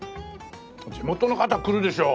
地元の方は来るでしょう。